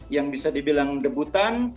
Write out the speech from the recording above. yang bisa dibilang debutan